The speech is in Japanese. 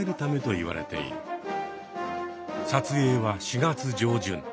撮影は４月上旬。